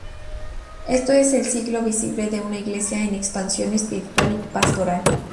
Esto es el signo visible de una Iglesia en expansión espiritual y pastoral.